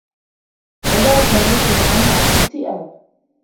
بدأ سامي صراعا مع الاكتئاب.